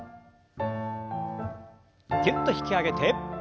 ぎゅっと引き上げて。